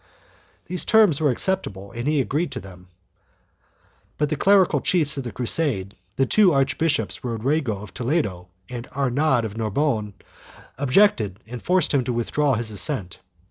The terms were acceptable and he agreed to them, but the clerical chiefs of the crusade, the two archbishops, Rod rigo of Toledo and Arnaud of Narbonne, objected and forced him to withdraw his assent.